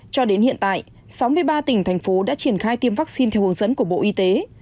cho đến hiện tại sáu mươi ba tỉnh thành phố đã triển khai tiêm vaccine theo hướng dẫn của bộ y tế